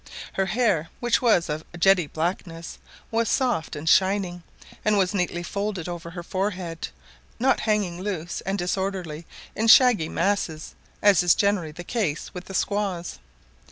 Her hair, which was of jetty blackness, was soft and shining, and was neatly folded over her forehead, not hanging loose and disorderly in shaggy masses, as is generally the case with the squaws.